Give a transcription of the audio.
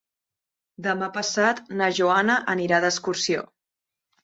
Demà passat na Joana anirà d'excursió.